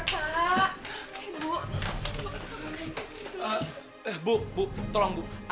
diminum sedikit juga